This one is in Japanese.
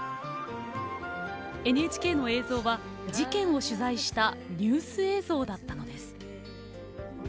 ＮＨＫの映像は、事件を取材したニュース映像だったのです。